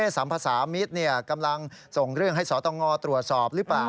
สัมภาษามิตรกำลังส่งเรื่องให้สตงตรวจสอบหรือเปล่า